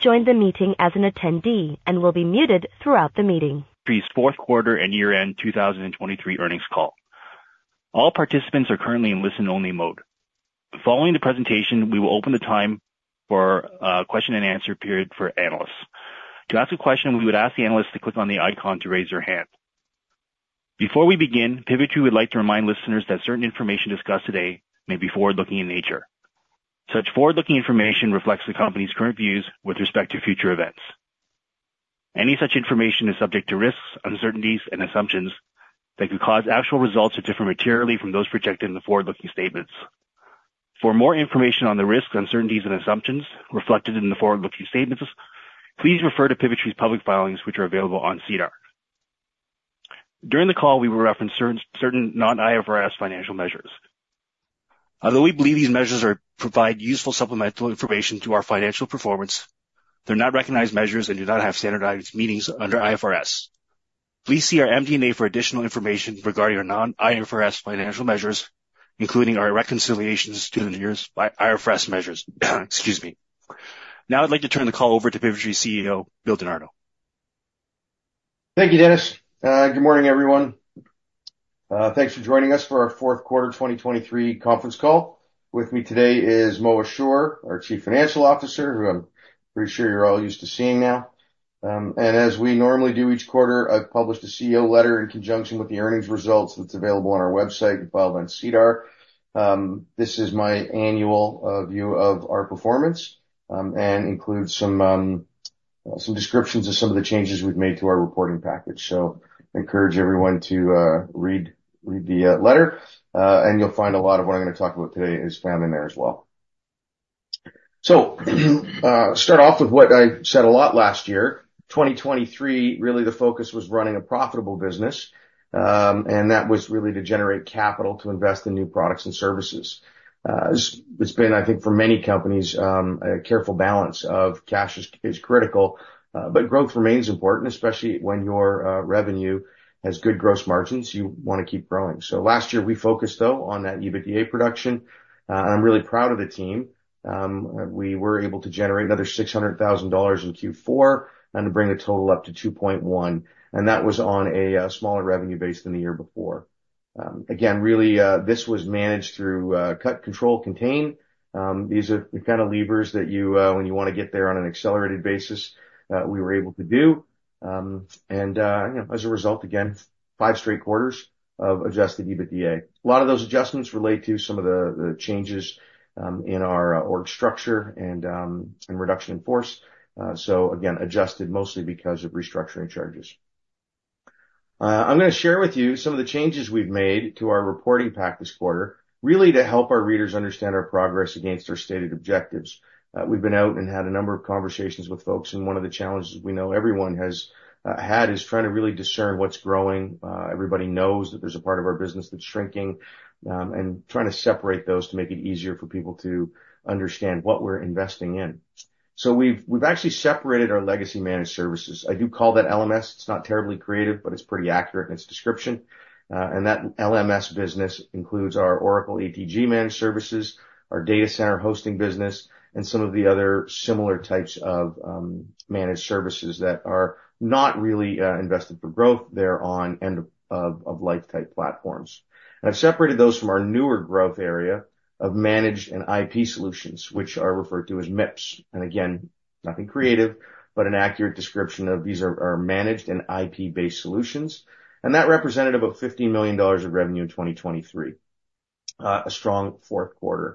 Joined the meeting as an attendee and will be muted throughout the meeting. For the year's Q4 and year-end 2023 earnings call. All participants are currently in listen-only mode. Following the presentation, we will open the time for a question-and-answer period for analysts. To ask a question, we would ask the analysts to click on the icon to raise their hand. Before we begin, Pivotree would like to remind listeners that certain information discussed today may be forward-looking in nature. Such forward-looking information reflects the company's current views with respect to future events. Any such information is subject to risks, uncertainties, and assumptions that could cause actual results to differ materially from those projected in the forward-looking statements. For more information on the risks, uncertainties, and assumptions reflected in the forward-looking statements, please refer to Pivotree's public filings, which are available on SEDAR. During the call, we will reference certain non-IFRS financial measures. Although we believe these measures provide useful supplemental information to our financial performance, they're not recognized measures and do not have standardized meanings under IFRS. Please see our MD&A for additional information regarding our non-IFRS financial measures, including our reconciliations to the nearest IFRS measures. Excuse me. Now I'd like to turn the call over to Pivotree's CEO, Bill Di Nardo. Thank you, Dennis. Good morning, everyone. Thanks for joining us for our Q4 2023 conference call. With me today is Mo Ashoor, our Chief Financial Officer, who I'm pretty sure you're all used to seeing now. As we normally do each quarter, I've published a CEO letter in conjunction with the earnings results that's available on our website and filed on SEDAR. This is my annual view of our performance and includes some descriptions of some of the changes we've made to our reporting package. I encourage everyone to read the letter, and you'll find a lot of what I'm going to talk about today is found in there as well. Start off with what I said a lot last year. 2023, really, the focus was running a profitable business, and that was really to generate capital to invest in new products and services. It's been, I think, for many companies, a careful balance of cash is critical, but growth remains important, especially when your revenue has good gross margins. You want to keep growing. So last year, we focused, though, on that EBITDA production, and I'm really proud of the team. We were able to generate another 600,000 dollars in Q4 and to bring the total up to 2.1 million, and that was on a smaller revenue base than the year before. Again, really, this was managed through cut, control, contain. These are the kind of levers that you, when you want to get there on an accelerated basis, we were able to do. And as a result, again, five straight quarters of adjusted EBITDA. A lot of those adjustments relate to some of the changes in our org structure and reduction in force. So again, adjusted mostly because of restructuring charges. I'm going to share with you some of the changes we've made to our reporting pack this quarter, really to help our readers understand our progress against our stated objectives. We've been out and had a number of conversations with folks, and one of the challenges we know everyone has had is trying to really discern what's growing. Everybody knows that there's a part of our business that's shrinking, and trying to separate those to make it easier for people to understand what we're investing in. So we've actually separated our legacy managed services. I do call that LMS. It's not terribly creative, but it's pretty accurate in its description. And that LMS business includes our Oracle ATG managed services, our data center hosting business, and some of the other similar types of managed services that are not really invested for growth. They're on end-of-life-type platforms. I've separated those from our newer growth area of managed and IP solutions, which are referred to as MIPS. Again, nothing creative, but an accurate description of these are managed and IP-based solutions. That represented about 50 million dollars of revenue in 2023, a strong Q4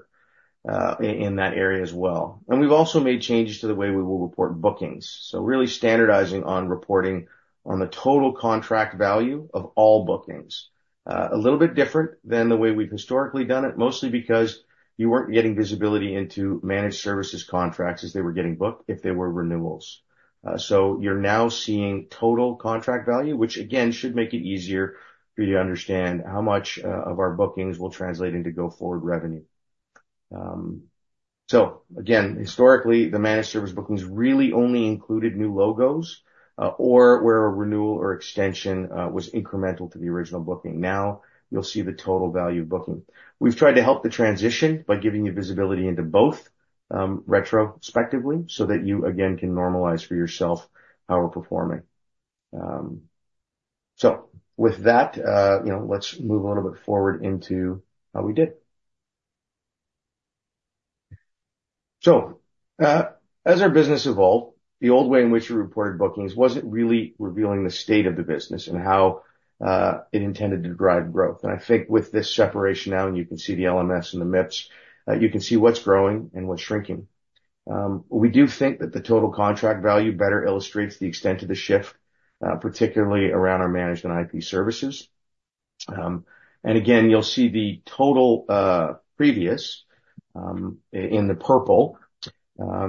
in that area as well. We've also made changes to the way we will report bookings. Really standardizing on reporting on the total contract value of all bookings, a little bit different than the way we've historically done it, mostly because you weren't getting visibility into managed services contracts as they were getting booked if they were renewals. You're now seeing total contract value, which again should make it easier for you to understand how much of our bookings will translate into go-forward revenue. So again, historically, the managed service bookings really only included new logos or where a renewal or extension was incremental to the original booking. Now you'll see the total value of booking. We've tried to help the transition by giving you visibility into both retrospectively so that you, again, can normalize for yourself how we're performing. So with that, let's move a little bit forward into how we did. So as our business evolved, the old way in which we reported bookings wasn't really revealing the state of the business and how it intended to drive growth. And I think with this separation now, and you can see the LMS and the MIPS, you can see what's growing and what's shrinking. We do think that the total contract value better illustrates the extent of the shift, particularly around our managed and IP services. Again, you'll see the total previous in the purple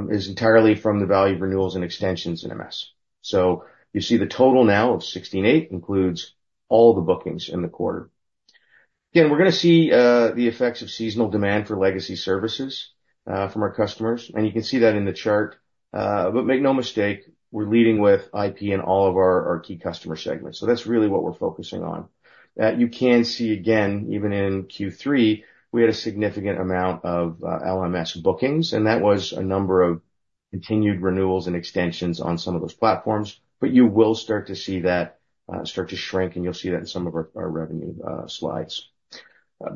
is entirely from the value of renewals and extensions in MS. So you see the total now of 16.8 includes all the bookings in the quarter. Again, we're going to see the effects of seasonal demand for legacy services from our customers. You can see that in the chart. But make no mistake, we're leading with IP in all of our key customer segments. So that's really what we're focusing on. You can see, again, even in Q3, we had a significant amount of LMS bookings, and that was a number of continued renewals and extensions on some of those platforms. But you will start to see that start to shrink, and you'll see that in some of our revenue slides.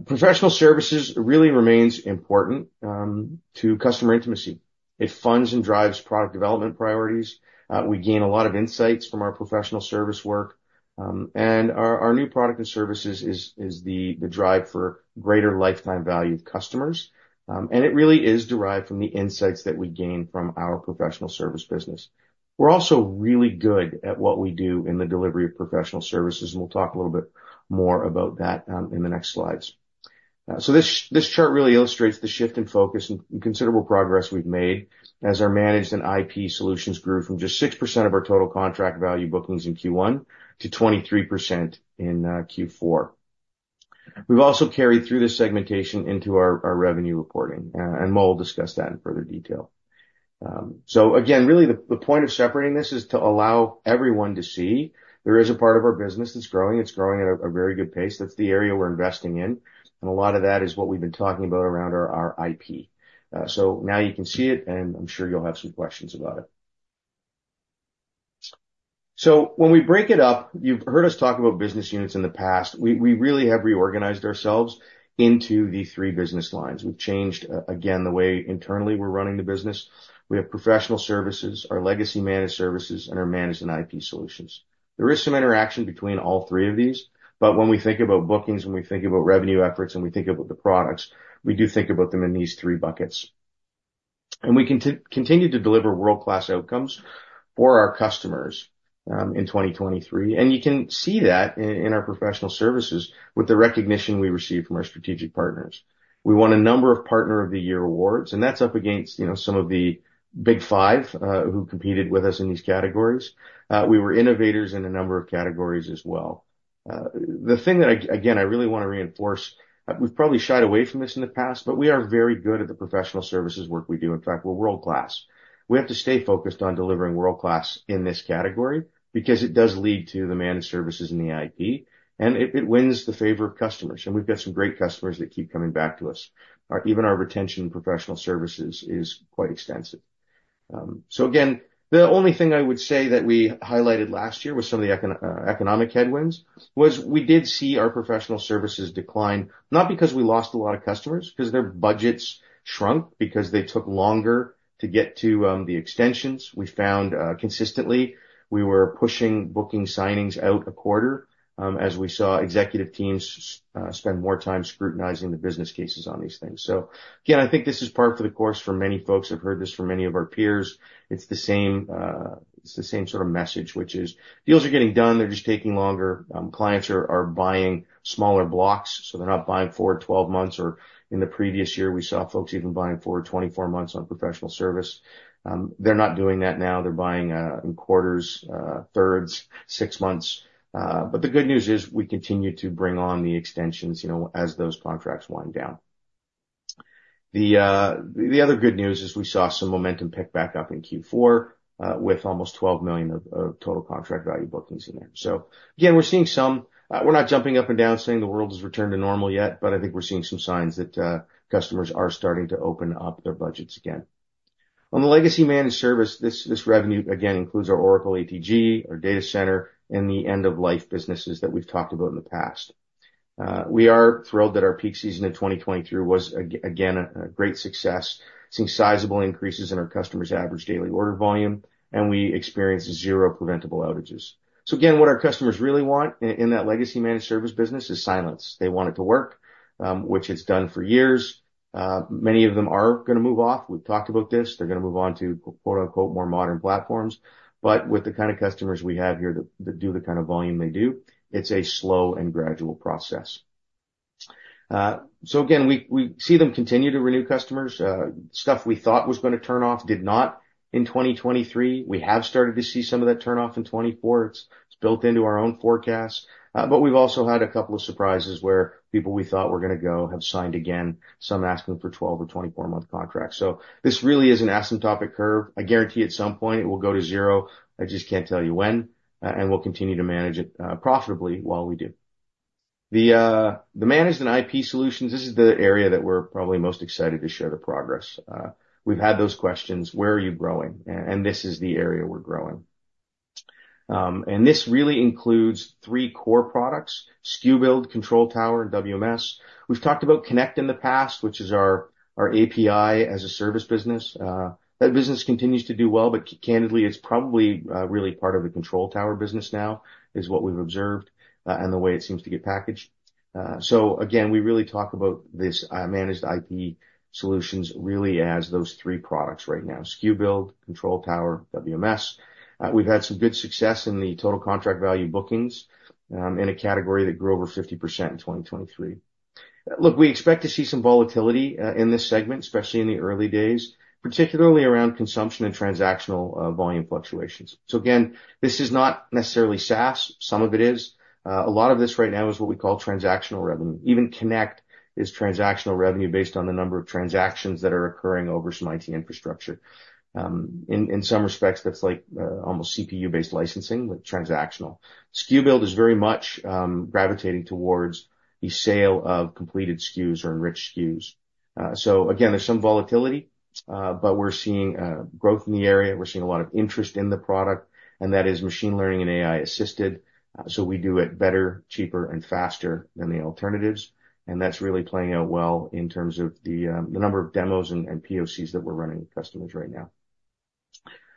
Professional services really remains important to customer intimacy. It funds and drives product development priorities. We gain a lot of insights from our professional service work. Our new product and services is the drive for greater lifetime value of customers. It really is derived from the insights that we gain from our professional service business. We're also really good at what we do in the delivery of professional services, and we'll talk a little bit more about that in the next slides. This chart really illustrates the shift in focus and considerable progress we've made as our managed and IP solutions grew from just 6% of our total contract value bookings in Q1 to 23% in Q4. We've also carried through this segmentation into our revenue reporting, and Mo will discuss that in further detail. Again, really, the point of separating this is to allow everyone to see there is a part of our business that's growing. It's growing at a very good pace. That's the area we're investing in. And a lot of that is what we've been talking about around our IP. So now you can see it, and I'm sure you'll have some questions about it. So when we break it up, you've heard us talk about business units in the past. We really have reorganized ourselves into the three business lines. We've changed, again, the way internally we're running the business. We have professional services, our Legacy Managed Services, and our Managed and IP Solutions. There is some interaction between all three of these. But when we think about bookings, when we think about revenue efforts, and we think about the products, we do think about them in these three buckets. And we continue to deliver world-class outcomes for our customers in 2023. And you can see that in our professional services with the recognition we receive from our strategic partners. We won a number of Partner of the Year awards, and that's up against some of the Big Five who competed with us in these categories. We were innovators in a number of categories as well. The thing that, again, I really want to reinforce, we've probably shied away from this in the past, but we are very good at the professional services work we do. In fact, we're world-class. We have to stay focused on delivering world-class in this category because it does lead to the managed services and the IP, and it wins the favor of customers. And we've got some great customers that keep coming back to us. Even our retention in professional services is quite extensive. So again, the only thing I would say that we highlighted last year with some of the economic headwinds was we did see our professional services decline, not because we lost a lot of customers, because their budgets shrunk, because they took longer to get to the extensions. We found consistently we were pushing booking signings out a quarter as we saw executive teams spend more time scrutinizing the business cases on these things. So again, I think this is par for the course for many folks. I've heard this from many of our peers. It's the same sort of message, which is deals are getting done. They're just taking longer. Clients are buying smaller blocks, so they're not buying forward 12 months. Or in the previous year, we saw folks even buying forward 24 months on professional service. They're not doing that now. They're buying in quarters, thirds, six months. But the good news is we continue to bring on the extensions as those contracts wind down. The other good news is we saw some momentum pick back up in Q4 with almost 12 million of total contract value bookings in there. So again, we're seeing some, we're not jumping up and down saying the world has returned to normal yet, but I think we're seeing some signs that customers are starting to open up their budgets again. On the legacy managed service, this revenue, again, includes our Oracle ATG, our data center, and the end-of-life businesses that we've talked about in the past. We are thrilled that our peak season in 2023 was, again, a great success, seeing sizable increases in our customers' average daily order volume, and we experienced zero preventable outages. So again, what our customers really want in that legacy managed service business is silence. They want it to work, which it's done for years. Many of them are going to move off. We've talked about this. They're going to move on to "more modern platforms." But with the kind of customers we have here that do the kind of volume they do, it's a slow and gradual process. So again, we see them continue to renew customers. Stuff we thought was going to turn off did not in 2023. We have started to see some of that turn off in 2024. It's built into our own forecast. But we've also had a couple of surprises where people we thought were going to go have signed again, some asking for 12- or 24-month contracts. So this really is an asymptotic curve. I guarantee at some point it will go to zero. I just can't tell you when. And we'll continue to manage it profitably while we do. The managed and IP solutions, this is the area that we're probably most excited to share the progress. We've had those questions. Where are you growing? And this is the area we're growing. And this really includes three core products: SKU Build, Control Tower, and WMS. We've talked about Connect in the past, which is our API as a service business. That business continues to do well, but candidly, it's probably really part of the Control Tower business now is what we've observed and the way it seems to get packaged. So again, we really talk about these managed IP solutions really as those three products right now: SKU Build, Control Tower, WMS. We've had some good success in the total contract value bookings in a category that grew over 50% in 2023. Look, we expect to see some volatility in this segment, especially in the early days, particularly around consumption and transactional volume fluctuations. So again, this is not necessarily SaaS. Some of it is. A lot of this right now is what we call transactional revenue. Even Connect is transactional revenue based on the number of transactions that are occurring over some IT infrastructure. In some respects, that's like almost CPU-based licensing, but transactional. SKU Build is very much gravitating towards the sale of completed SKUs or enriched SKUs. So again, there's some volatility, but we're seeing growth in the area. We're seeing a lot of interest in the product, and that is machine learning and AI-assisted. So we do it better, cheaper, and faster than the alternatives. That's really playing out well in terms of the number of demos and POCs that we're running with customers right now.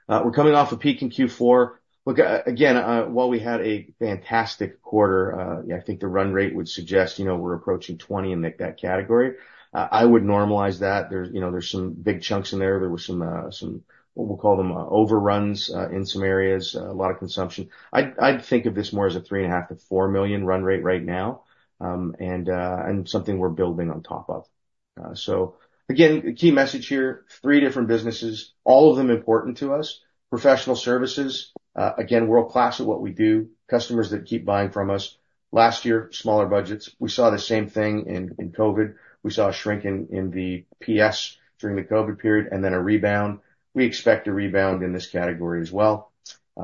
We're coming off a peak in Q4. Look, again, while we had a fantastic quarter, I think the run rate would suggest we're approaching 20 in that category. I would normalize that. There's some big chunks in there. There were some, what we'll call them, overruns in some areas, a lot of consumption. I'd think of this more as a 3.5 million-4 million run rate right now and something we're building on top of. So again, key message here, three different businesses, all of them important to us, professional services, again, world-class at what we do, customers that keep buying from us. Last year, smaller budgets. We saw the same thing in COVID. We saw a shrink in the PS during the COVID period and then a rebound. We expect a rebound in this category as well.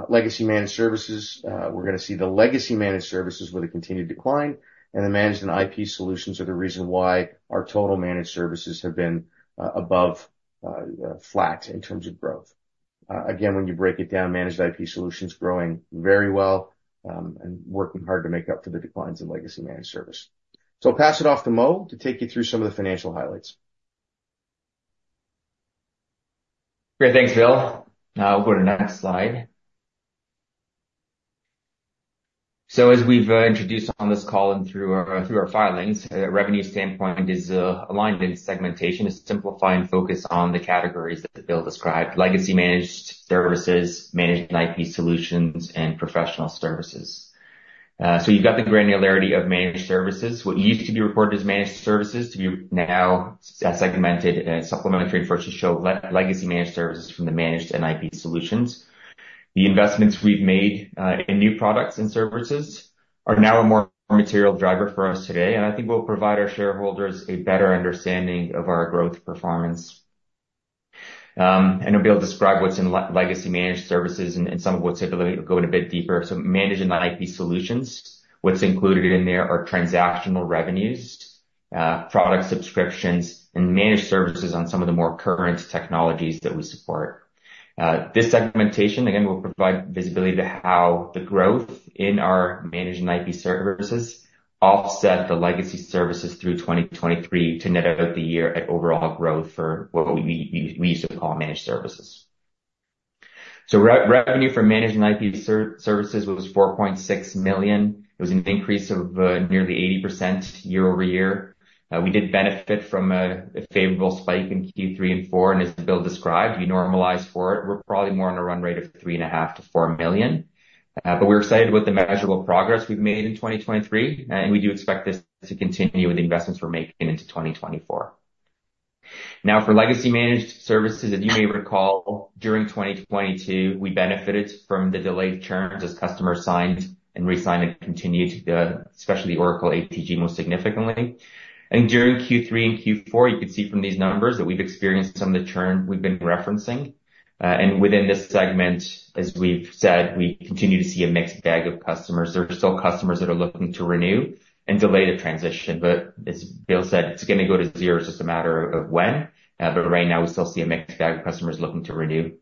Legacy managed services, we're going to see the legacy managed services with a continued decline. And the managed and IP solutions are the reason why our total managed services have been above flat in terms of growth. Again, when you break it down, managed IP solutions growing very well and working hard to make up for the declines in legacy managed service. So I'll pass it off to Mo to take you through some of the financial highlights. Great. Thanks, Bill. Now we'll go to the next slide. So as we've introduced on this call and through our filings, a revenue standpoint is aligned in segmentation to simplify and focus on the categories that Bill described: legacy managed services, managed and IP solutions, and professional services. So you've got the granularity of managed services. What used to be reported as managed services to be now segmented and supplementary in first to show legacy managed services from the managed and IP solutions. The investments we've made in new products and services are now a more material driver for us today. And I think we'll provide our shareholders a better understanding of our growth performance. And I'll be able to describe what's in legacy managed services and some of what's going a bit deeper. So Managed and IP Solutions, what's included in there are transactional revenues, product subscriptions, and managed services on some of the more current technologies that we support. This segmentation, again, will provide visibility to how the growth in our Managed and IP services offset the legacy services through 2023 to net out the year at overall growth for what we used to call managed services. So revenue for Managed and IP services was 4.6 million. It was an increase of nearly 80% year-over-year. We did benefit from a favorable spike in Q3 and Q4. And as Bill described, we normalized for it. We're probably more on a run rate of 3.5 million-4 million. But we're excited with the measurable progress we've made in 2023, and we do expect this to continue with the investments we're making into 2024. Now, for legacy managed services, as you may recall, during 2022, we benefited from the delayed churns as customers signed and resigned and continued, especially the Oracle ATG, most significantly. And during Q3 and Q4, you could see from these numbers that we've experienced some of the churn we've been referencing. And within this segment, as we've said, we continue to see a mixed bag of customers. There are still customers that are looking to renew and delay the transition. But as Bill said, it's going to go to zero. It's just a matter of when. But right now, we still see a mixed bag of customers looking to renew.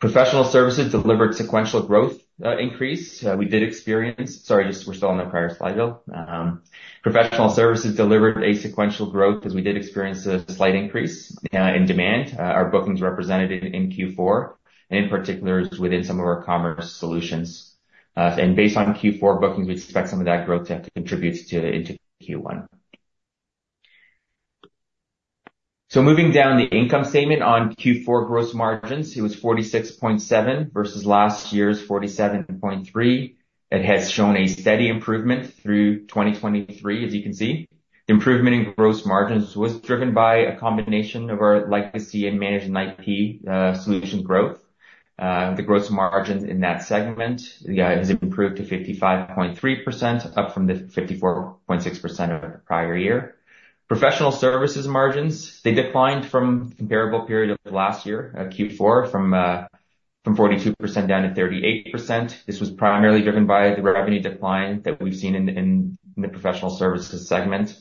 Professional services delivered sequential growth increase. We did experience sorry, we're still on the prior slide, Bill. Professional services delivered a sequential growth as we did experience a slight increase in demand. Our bookings represented it in Q4, and in particular, it was within some of our commerce solutions. Based on Q4 bookings, we expect some of that growth to have contributed into Q1. Moving down the income statement on Q4 gross margins, it was 46.7% versus last year's 47.3%. It has shown a steady improvement through 2023, as you can see. The improvement in gross margins was driven by a combination of our legacy and managed and IP solutions growth. The gross margin in that segment has improved to 55.3%, up from the 54.6% of the prior year. Professional services margins, they declined from the comparable period of last year, Q4, from 42% down to 38%. This was primarily driven by the revenue decline that we've seen in the professional services segment.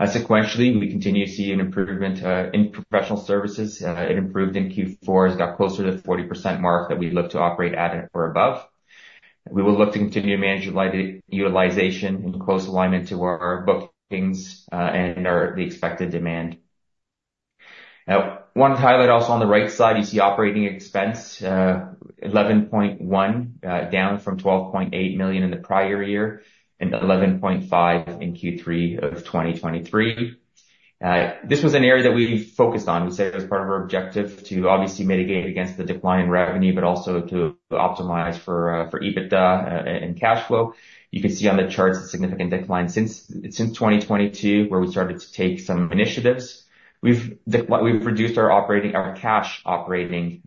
Sequentially, we continue to see an improvement in professional services. It improved in Q4. It's got closer to the 40% mark that we look to operate at or above. We will look to continue managed utilization in close alignment to our bookings and the expected demand. Now, I want to highlight also on the right side, you see operating expense, 11.1 million down from 12.8 million in the prior year and 11.5 million in Q3 of 2023. This was an area that we focused on. We said it was part of our objective to obviously mitigate against the decline in revenue, but also to optimize for EBITDA and cash flow. You can see on the charts the significant decline since 2022 where we started to take some initiatives. We've reduced our cash operating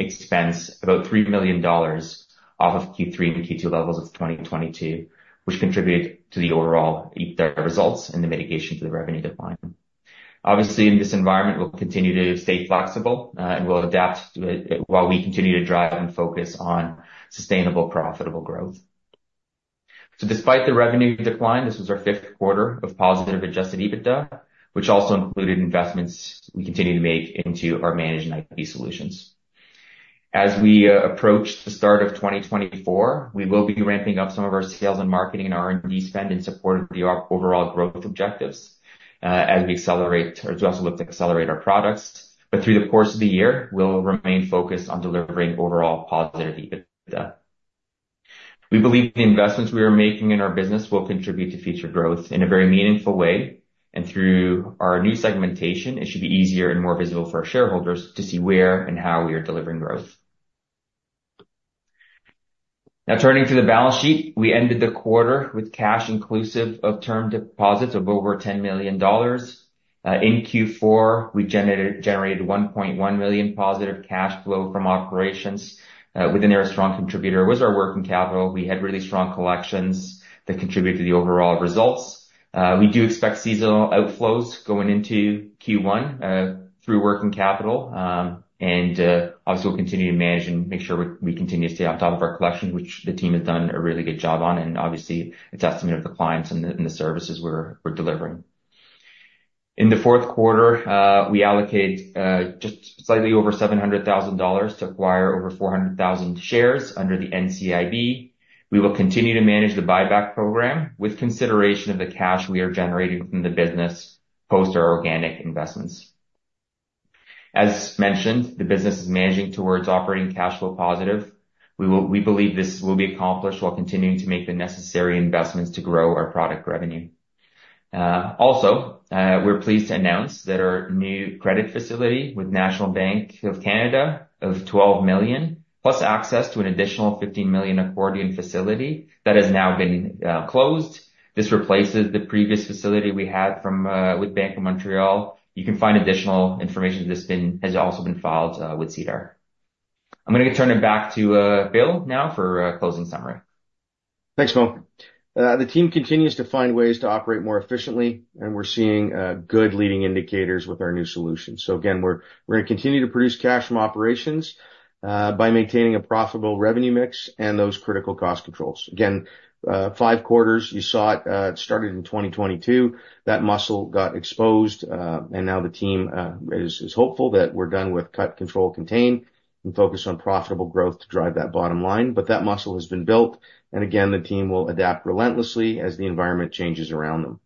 expense about 3 million dollars off of Q3 and Q2 levels of 2022, which contributed to the overall EBITDA results and the mitigation to the revenue decline. Obviously, in this environment, we'll continue to stay flexible and we'll adapt while we continue to drive and focus on sustainable, profitable growth. Despite the revenue decline, this was our fifth quarter of positive adjusted EBITDA, which also included investments we continue to make into our managed and IP solutions. As we approach the start of 2024, we will be ramping up some of our sales and marketing and R&D spend in support of the overall growth objectives as we accelerate or as we also look to accelerate our products. But through the course of the year, we'll remain focused on delivering overall positive EBITDA. We believe the investments we are making in our business will contribute to future growth in a very meaningful way. Through our new segmentation, it should be easier and more visible for our shareholders to see where and how we are delivering growth. Now, turning to the balance sheet, we ended the quarter with cash inclusive of term deposits of over 10 million dollars. In Q4, we generated 1.1 million positive cash flow from operations with in a strong contributor. It was our working capital. We had really strong collections that contributed to the overall results. We do expect seasonal outflows going into Q1 through working capital. And obviously, we'll continue to manage and make sure we continue to stay on top of our collections, which the team has done a really good job on. And obviously, it's a testament of the clients and the services we're delivering. In the Q4, we allocated just slightly over 700,000 dollars to acquire over 400,000 shares under the NCIB. We will continue to manage the buyback program with consideration of the cash we are generating from the business post our organic investments. As mentioned, the business is managing towards operating cash flow positive. We believe this will be accomplished while continuing to make the necessary investments to grow our product revenue. Also, we're pleased to announce that our new credit facility with National Bank of Canada of 12 million, plus access to an additional 15 million accordion facility that has now been closed. This replaces the previous facility we had with Bank of Montreal. You can find additional information that has also been filed with SEDAR. I'm going to turn it back to Bill now for a closing summary. Thanks, Fong. The team continues to find ways to operate more efficiently, and we're seeing good leading indicators with our new solutions. So again, we're going to continue to produce cash from operations by maintaining a profitable revenue mix and those critical cost controls. Again, five quarters, you saw it started in 2022. That muscle got exposed. And now the team is hopeful that we're done with cut, control, contain, and focus on profitable growth to drive that bottom line. But that muscle has been built. And again, the team will adapt relentlessly as the environment changes around them.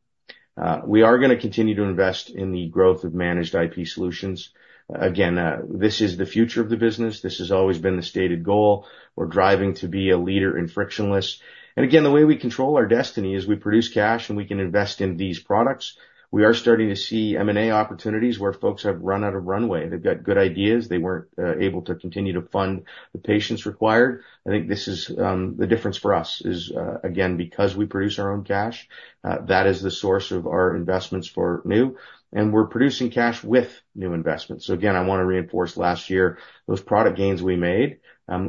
We are going to continue to invest in the growth of managed IP solutions. Again, this is the future of the business. This has always been the stated goal. We're driving to be a leader in frictionless. And again, the way we control our destiny is we produce cash and we can invest in these products. We are starting to see M&A opportunities where folks have run out of runway. They've got good ideas. They weren't able to continue to fund the patience required. I think this is the difference for us is, again, because we produce our own cash, that is the source of our investments for new. And we're producing cash with new investments. So again, I want to reinforce last year, those product gains we made,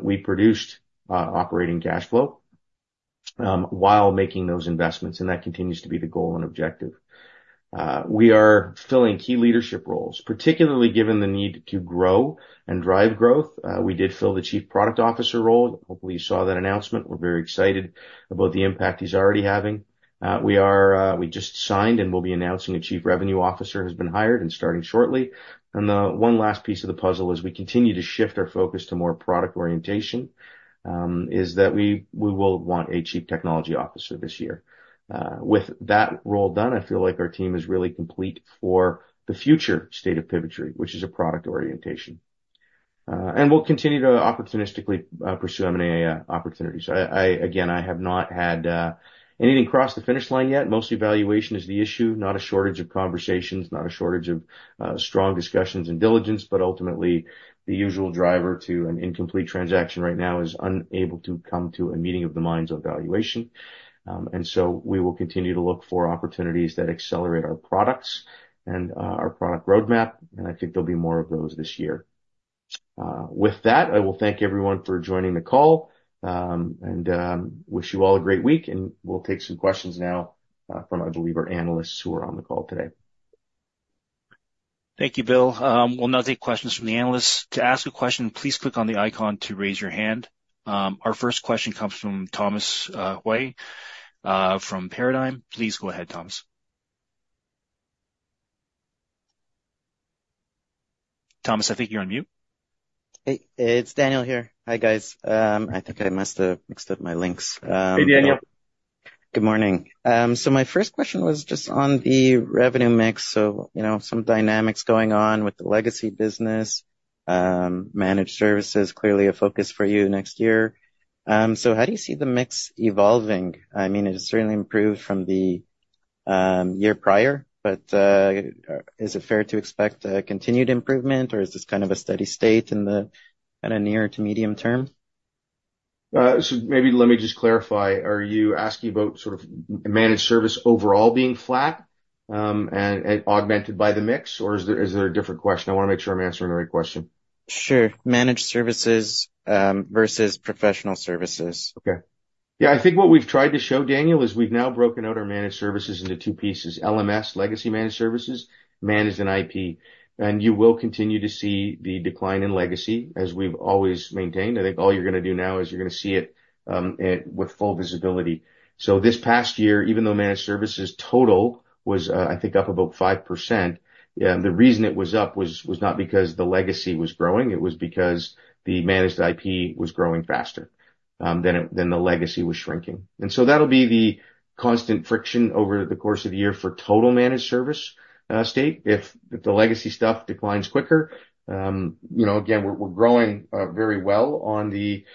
we produced operating cash flow while making those investments. And that continues to be the goal and objective. We are filling key leadership roles, particularly given the need to grow and drive growth. We did fill the Chief Product Officer role. Hopefully, you saw that announcement. We're very excited about the impact he's already having. We just signed and will be announcing a Chief Revenue Officer has been hired and starting shortly. And the one last piece of the puzzle as we continue to shift our focus to more product orientation is that we will want a Chief Technology Officer this year. With that role done, I feel like our team is really complete for the future state of Pivotree, which is a product orientation. And we'll continue to opportunistically pursue M&A opportunities. Again, I have not had anything cross the finish line yet. Mostly valuation is the issue, not a shortage of conversations, not a shortage of strong discussions and diligence, but ultimately, the usual driver to an incomplete transaction right now is unable to come to a meeting of the minds on valuation. And so we will continue to look for opportunities that accelerate our products and our product roadmap. I think there'll be more of those this year. With that, I will thank everyone for joining the call and wish you all a great week. We'll take some questions now from, I believe, our analysts who are on the call today. Thank you, Bill. We'll now take questions from the analysts. To ask a question, please click on the icon to raise your hand. Our first question comes from Thomas Hui from Paradigm. Please go ahead, Thomas. Thomas, I think you're on mute. Hey, it's Daniel here. Hi, guys. I think I must have mixed up my links. Hey, Daniel. Good morning. So my first question was just on the revenue mix. So some dynamics going on with the legacy business. Managed services, clearly a focus for you next year. So how do you see the mix evolving? I mean, it has certainly improved from the year prior, but is it fair to expect continued improvement, or is this kind of a steady state in the kind of near to medium term? Maybe let me just clarify. Are you asking about sort of managed service overall being flat and augmented by the mix, or is there a different question? I want to make sure I'm answering the right question. Sure. Managed services versus professional services. Okay. Yeah, I think what we've tried to show, Daniel, is we've now broken out our managed services into two pieces, LMS, legacy managed services, managed and IP. And you will continue to see the decline in legacy as we've always maintained. I think all you're going to do now is you're going to see it with full visibility. So this past year, even though managed services total was, I think, up about 5%, the reason it was up was not because the legacy was growing. It was because the managed IP was growing faster than the legacy was shrinking. And so that'll be the constant friction over the course of the year for total managed services state if the legacy stuff declines quicker. Again, we're growing very well on the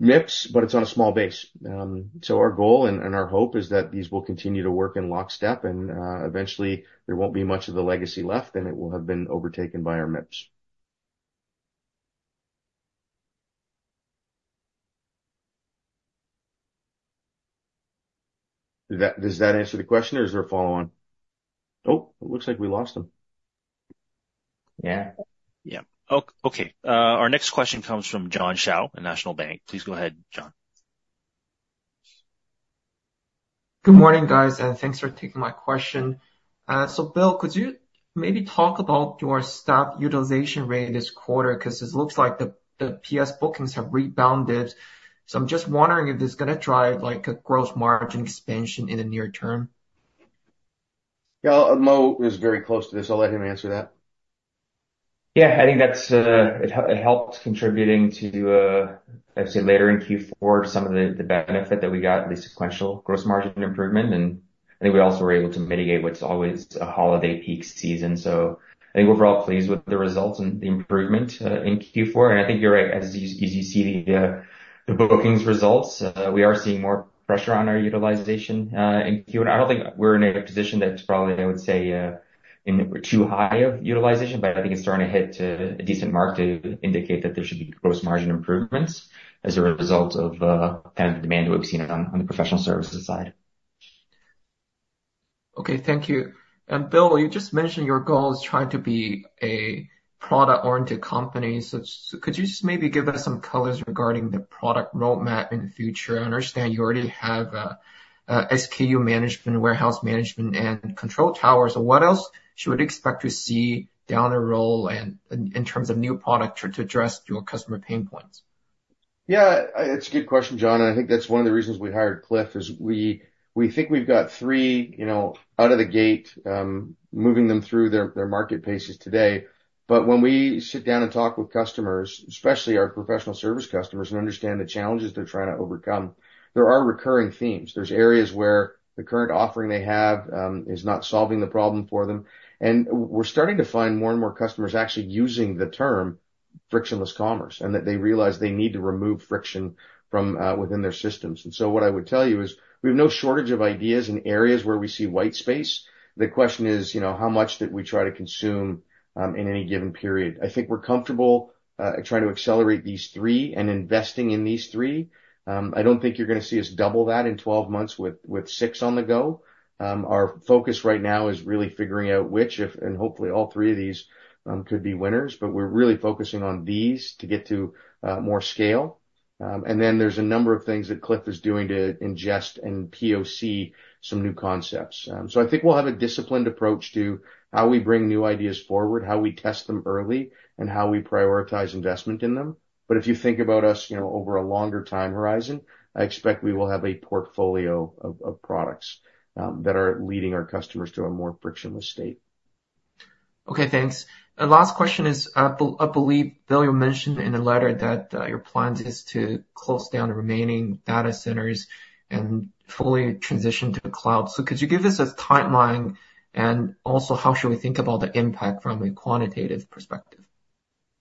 MIPS, but it's on a small base. Our goal and our hope is that these will continue to work in lockstep, and eventually, there won't be much of the legacy left, and it will have been overtaken by our MIPS. Does that answer the question, or is there a follow-on? Oh, it looks like we lost him. Yeah. Yeah. Okay. Our next question comes from John Shao at National Bank. Please go ahead, John. Good morning, guys, and thanks for taking my question. So Bill, could you maybe talk about your staff utilization rate this quarter because it looks like the PS bookings have rebounded. So I'm just wondering if it's going to drive a gross margin expansion in the near term? Yeah, Mo is very close to this. I'll let him answer that. Yeah, I think it helps contributing to, I'd say, later in Q4, some of the benefit that we got, at least sequential gross margin improvement. And I think we also were able to mitigate what's always a holiday peak season. So I think overall, pleased with the results and the improvement in Q4. And I think you're right. As you see the bookings results, we are seeing more pressure on our utilization in Q1. I don't think we're in a position that's probably, I would say, too high of utilization, but I think it's starting to hit a decent mark to indicate that there should be gross margin improvements as a result of kind of the demand that we've seen on the professional services side. Okay. Thank you. Bill, you just mentioned your goal is trying to be a product-oriented company. Could you just maybe give us some colors regarding the product roadmap in the future? I understand you already have SKU management, warehouse management, and control towers. What else should we expect to see down the road in terms of new product to address your customer pain points? Yeah, it's a good question, John. And I think that's one of the reasons we hired Cliff is we think we've got three out of the gate, moving them through their market paces today. But when we sit down and talk with customers, especially our professional service customers, and understand the challenges they're trying to overcome, there are recurring themes. There's areas where the current offering they have is not solving the problem for them. And we're starting to find more and more customers actually using the term frictionless commerce and that they realize they need to remove friction from within their systems. And so what I would tell you is we have no shortage of ideas in areas where we see white space. The question is how much that we try to consume in any given period. I think we're comfortable trying to accelerate these three and investing in these three. I don't think you're going to see us double that in 12 months with six on the go. Our focus right now is really figuring out which, and hopefully, all three of these could be winners. But we're really focusing on these to get to more scale. And then there's a number of things that Cliff is doing to ingest and POC some new concepts. So I think we'll have a disciplined approach to how we bring new ideas forward, how we test them early, and how we prioritize investment in them. But if you think about us over a longer time horizon, I expect we will have a portfolio of products that are leading our customers to a more frictionless state. Okay. Thanks. Last question is, I believe, Bill, you mentioned in the letter that your plan is to close down the remaining data centers and fully transition to cloud. So could you give us a timeline and also how should we think about the impact from a quantitative perspective?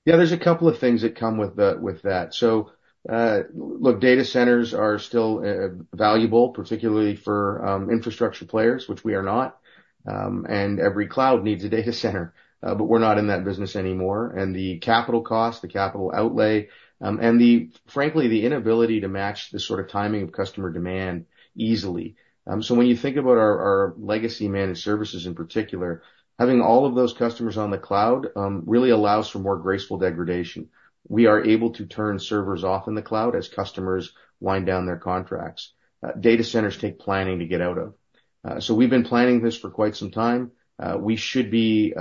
Yeah, there's a couple of things that come with that. So look, data centers are still valuable, particularly for infrastructure players, which we are not. And every cloud needs a data center. But we're not in that business anymore. And the capital cost, the capital outlay, and frankly, the inability to match the sort of timing of customer demand easily. So when you think about our legacy managed services in particular, having all of those customers on the cloud really allows for more graceful degradation. We are able to turn servers off in the cloud as customers wind down their contracts. Data centers take planning to get out of. So we've been planning this for quite some time. We should be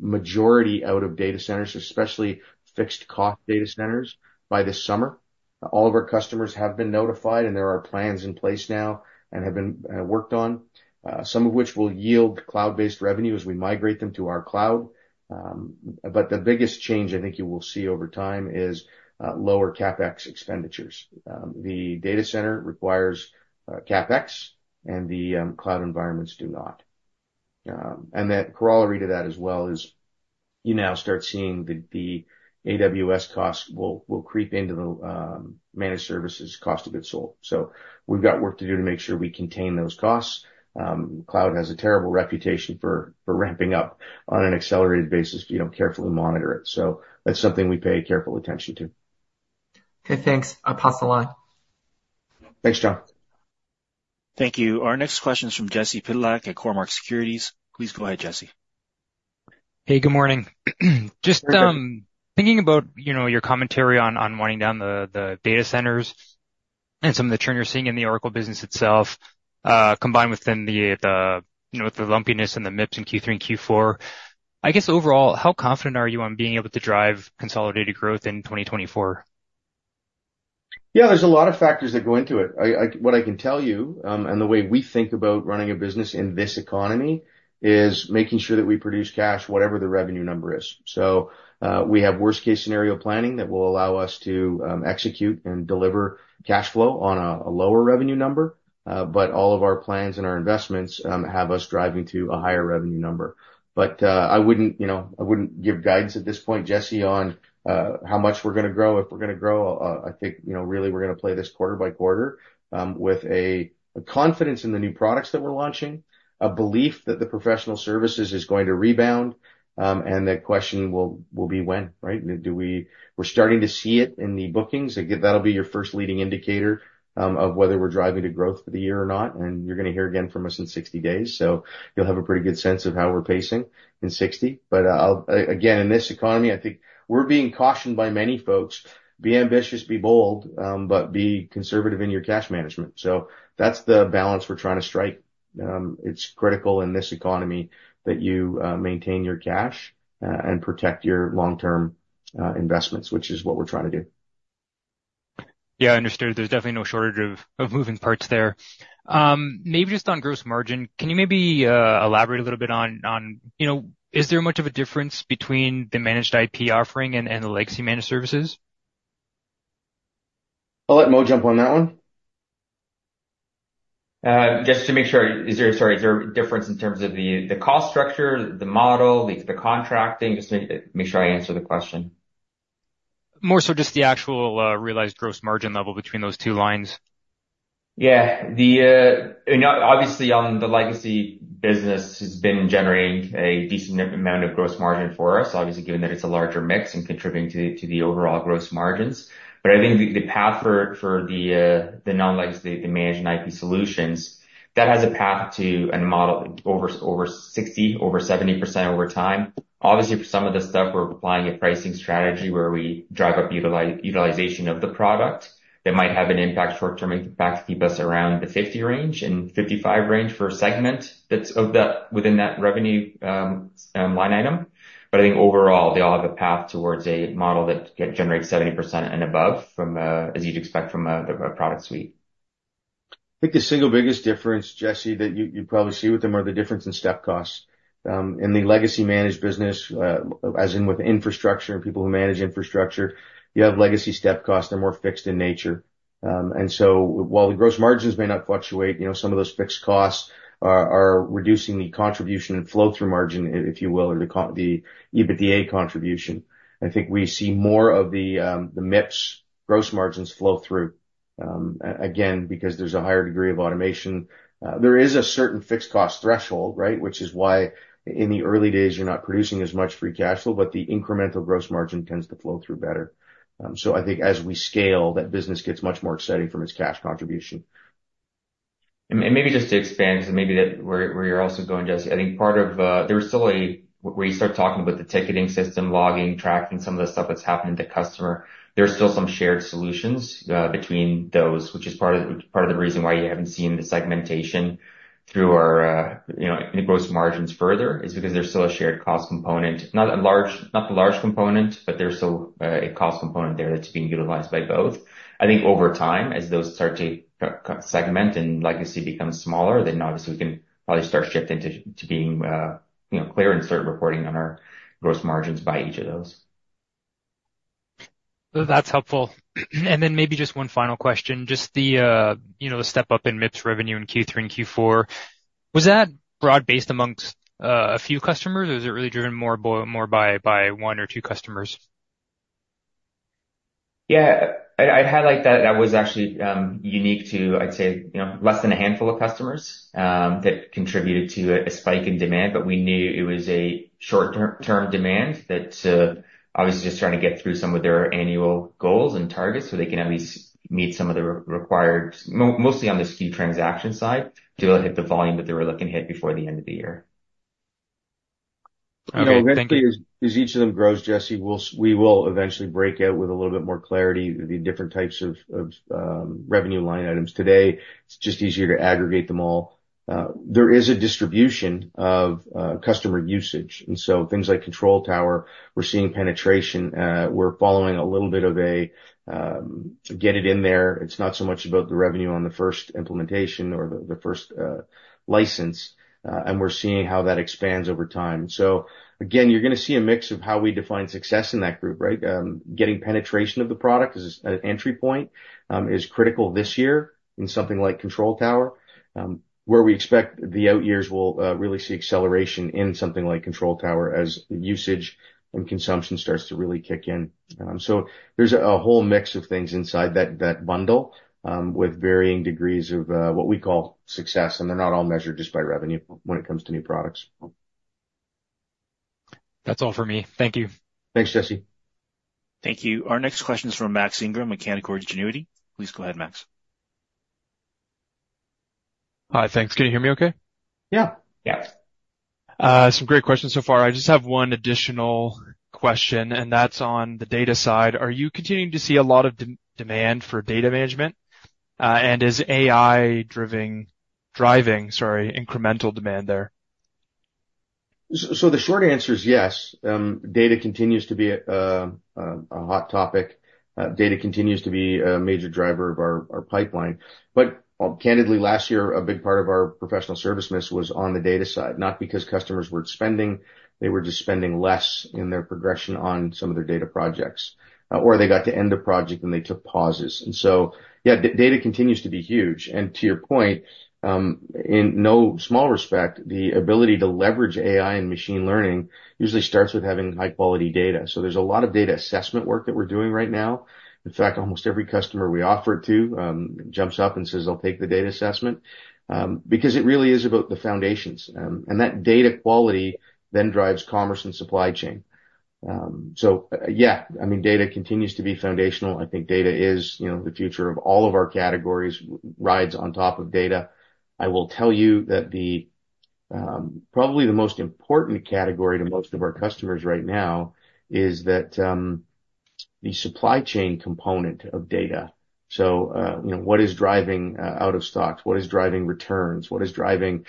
majority out of data centers, especially fixed cost data centers, by this summer. All of our customers have been notified, and there are plans in place now and have been worked on, some of which will yield cloud-based revenue as we migrate them to our cloud. But the biggest change I think you will see over time is lower CapEx expenditures. The data center requires CapEx, and the cloud environments do not. The corollary to that as well is you now start seeing the AWS costs will creep into the managed services cost of goods sold. We've got work to do to make sure we contain those costs. Cloud has a terrible reputation for ramping up on an accelerated basis if you don't carefully monitor it. That's something we pay careful attention to. Okay. Thanks. I'll pass the line. Thanks, John. Thank you. Our next question is from Jesse Pidlak at Cormark Securities. Please go ahead, Jesse. Hey, good morning. Just thinking about your commentary on winding down the data centers and some of the churn you're seeing in the Oracle business itself, combined with then the lumpiness in the MIPS in Q3 and Q4, I guess overall, how confident are you on being able to drive consolidated growth in 2024? Yeah, there's a lot of factors that go into it. What I can tell you and the way we think about running a business in this economy is making sure that we produce cash, whatever the revenue number is. So we have worst-case scenario planning that will allow us to execute and deliver cash flow on a lower revenue number. But all of our plans and our investments have us driving to a higher revenue number. But I wouldn't give guides at this point, Jesse, on how much we're going to grow. If we're going to grow, I think really we're going to play this quarter by quarter with a confidence in the new products that we're launching, a belief that the professional services is going to rebound, and the question will be when, right? We're starting to see it in the bookings. That'll be your first leading indicator of whether we're driving to growth for the year or not. You're going to hear again from us in 60 days. You'll have a pretty good sense of how we're pacing in 60. Again, in this economy, I think we're being cautioned by many folks, be ambitious, be bold, but be conservative in your cash management. That's the balance we're trying to strike. It's critical in this economy that you maintain your cash and protect your long-term investments, which is what we're trying to do. Yeah, understood. There's definitely no shortage of moving parts there. Maybe just on gross margin, can you maybe elaborate a little bit on is there much of a difference between the managed IP offering and the legacy managed services? I'll let Mo jump on that one. Just to make sure, sorry, is there a difference in terms of the cost structure, the model, the contracting? Just to make sure I answer the question. More so just the actual realized gross margin level between those two lines. Yeah. Obviously, on the legacy business, it's been generating a decent amount of gross margin for us, obviously, given that it's a larger mix and contributing to the overall gross margins. But I think the path for the non-legacy, the managed and IP solutions, that has a path to an over 60%, over 70% over time. Obviously, for some of the stuff, we're applying a pricing strategy where we drive up utilization of the product that might have an impact short-term impact to keep us around the 50% range and 55% range for a segment that's within that revenue line item. But I think overall, they all have a path towards a model that generates 70% and above, as you'd expect from a product suite. I think the single biggest difference, Jesse, that you probably see with them are the difference in step costs. In the legacy managed business, as in with infrastructure and people who manage infrastructure, you have legacy step costs. They're more fixed in nature. And so while the gross margins may not fluctuate, some of those fixed costs are reducing the contribution and flow-through margin, if you will, or the EBITDA contribution. I think we see more of the MIPS gross margins flow through, again, because there's a higher degree of automation. There is a certain fixed cost threshold, right, which is why in the early days, you're not producing as much free cash flow, but the incremental gross margin tends to flow through better. So I think as we scale, that business gets much more exciting from its cash contribution. Maybe just to expand because maybe where you're also going, Jesse, I think part of there was still a where you start talking about the ticketing system, logging, tracking some of the stuff that's happening to customer, there's still some shared solutions between those, which is part of the reason why you haven't seen the segmentation through our in the gross margins further is because there's still a shared cost component. Not the large component, but there's still a cost component there that's being utilized by both. I think over time, as those start to segment and legacy becomes smaller, then obviously, we can probably start shifting to being clear and start reporting on our gross margins by each of those. That's helpful. And then maybe just one final question, just the step up in MIPS revenue in Q3 and Q4, was that broad-based among a few customers, or is it really driven more by one or two customers? Yeah. I'd highlight that that was actually unique to, I'd say, less than a handful of customers that contributed to a spike in demand. But we knew it was a short-term demand that obviously just trying to get through some of their annual goals and targets so they can at least meet some of the required, mostly on the SKU transaction side, to be able to hit the volume that they were looking to hit before the end of the year. I think as each of them grows, Jesse, we will eventually break out with a little bit more clarity, the different types of revenue line items. Today, it's just easier to aggregate them all. There is a distribution of customer usage. And so things like control tower, we're seeing penetration. We're following a little bit of a get it in there. It's not so much about the revenue on the first implementation or the first license. And we're seeing how that expands over time. So again, you're going to see a mix of how we define success in that group, right? Getting penetration of the product as an entry point is critical this year in something like control tower, where we expect the out years will really see acceleration in something like control tower as usage and consumption starts to really kick in. There's a whole mix of things inside that bundle with varying degrees of what we call success. They're not all measured just by revenue when it comes to new products. That's all for me. Thank you. Thanks, Jesse. Thank you. Our next question is from Mats Ingram, Canaccord Genuity. Please go ahead, Mats. Hi, thanks. Can you hear me okay? Yeah. Yeah. Some great questions so far. I just have one additional question, and that's on the data side. Are you continuing to see a lot of demand for data management? And is AI driving, sorry, incremental demand there? So the short answer is yes. Data continues to be a hot topic. Data continues to be a major driver of our pipeline. But candidly, last year, a big part of our professional service miss was on the data side, not because customers were spending. They were just spending less in their progression on some of their data projects, or they got to end a project and they took pauses. And so yeah, data continues to be huge. And to your point, in no small respect, the ability to leverage AI and machine learning usually starts with having high-quality data. So there's a lot of data assessment work that we're doing right now. In fact, almost every customer we offer it to jumps up and says, "I'll take the data assessment," because it really is about the foundations. And that data quality then drives commerce and supply chain. So yeah, I mean, data continues to be foundational. I think data is the future of all of our categories, rides on top of data. I will tell you that probably the most important category to most of our customers right now is the supply chain component of data. So what is driving out of stocks? What is driving returns? What is driving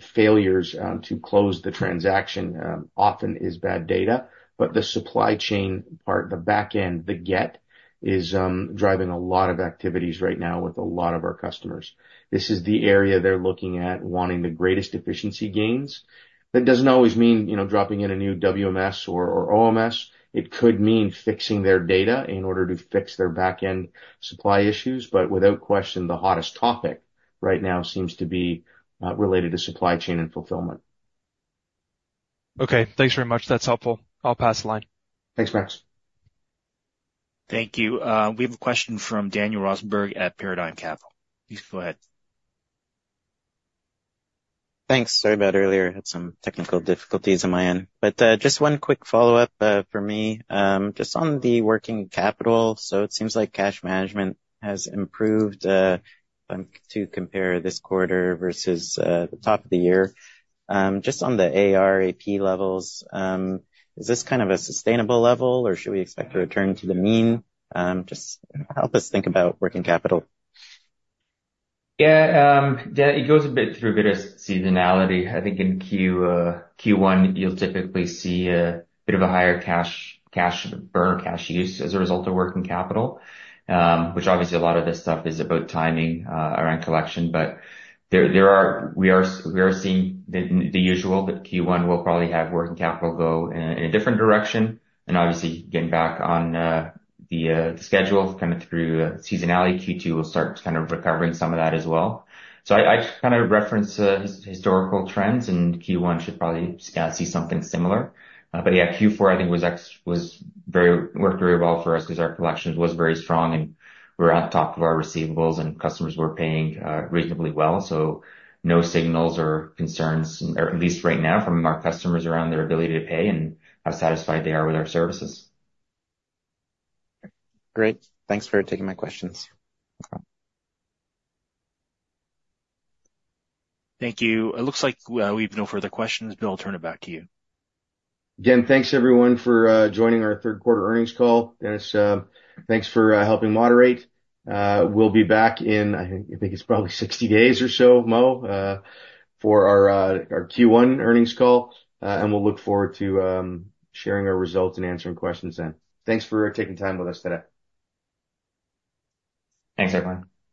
failures to close the transaction? Often is bad data. But the supply chain part, the backend, the get is driving a lot of activities right now with a lot of our customers. This is the area they're looking at, wanting the greatest efficiency gains. That doesn't always mean dropping in a new WMS or OMS. It could mean fixing their data in order to fix their backend supply issues. But without question, the hottest topic right now seems to be related to supply chain and fulfillment. Okay. Thanks very much. That's helpful. I'll pass the line. Thanks, Max. Thank you. We have a question from Daniel Rosenberg at Paradigm Capital. Please go ahead. Thanks. Sorry about earlier. I had some technical difficulties on my end. Just one quick follow-up for me, just on the working capital. It seems like cash management has improved, to compare this quarter versus the top of the year. Just on the AR, AP levels, is this kind of a sustainable level, or should we expect to return to the mean? Just help us think about working capital. Yeah. It goes a bit through a bit of seasonality. I think in Q1, you'll typically see a bit of a higher cash burn or cash use as a result of working capital, which obviously, a lot of this stuff is about timing around collection. But we are seeing the usual, that Q1 will probably have working capital go in a different direction. And obviously, getting back on the schedule kind of through seasonality, Q2 will start kind of recovering some of that as well. So I kind of referenced historical trends, and Q1 should probably see something similar. But yeah, Q4, I think, worked very well for us because our collections was very strong, and we were at the top of our receivables, and customers were paying reasonably well. No signals or concerns, at least right now, from our customers around their ability to pay and how satisfied they are with our services. Great. Thanks for taking my questions. Thank you. It looks like we have no further questions. Bill, I'll turn it back to you. Again, thanks, everyone, for joining our third-quarter earnings call. Dennis, thanks for helping moderate. We'll be back in, I think it's probably 60 days or so, Mo, for our Q1 earnings call. And we'll look forward to sharing our results and answering questions then. Thanks for taking time with us today. Thanks, everyone.